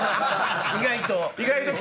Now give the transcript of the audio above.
意外と！